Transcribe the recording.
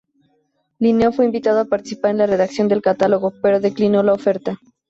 Linneo fue invitado a participar en la redacción del catálogo, pero declinó la oferta.